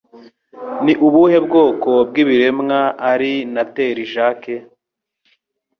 Ni ubuhe bwoko bw'ibiremwa ari Natterjack?